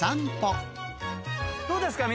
どうですか？